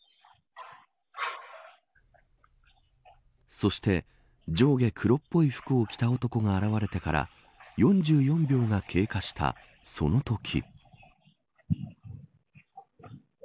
そして、上下黒っぽい服を着た男が現れてから４４秒が経過したそのとき。